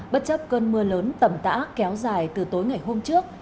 bất chấp cơn mưa lớn tẩm tã kéo dài từ tối ngày hôm trước